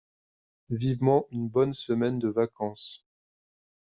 Vivement une bonne semaine de vacances!